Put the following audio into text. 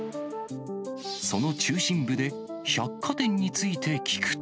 その中心部で、百貨店について聞くと。